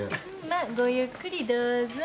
まあごゆっくりどうぞ。